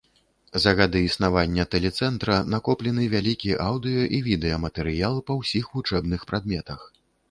За гады існавання тэлецэнтра накоплены вялікі аўдыё і відэаматэрыял па ўсіх вучэбных прадметах.